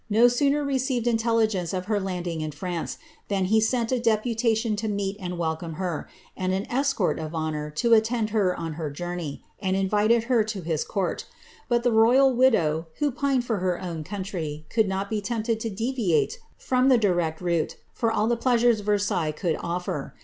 no sooner received intelligence of her landing in France, in he sent a deputation to meet and welcome her, and an escort of ooar to attend her on her journey, and invited her to his court;' but s voyal widow, who pined for her own country, could not be tempted deviate from the direct route for all the pleasures Versailles could fer.